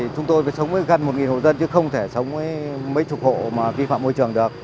chúng tôi phải sống với gần một hộ dân chứ không thể sống với mấy chục hộ mà vi phạm môi trường được